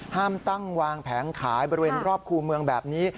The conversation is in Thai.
ห้ามตั้งวางแผงขายบริเวณรอบคู่เมืองแบบนี้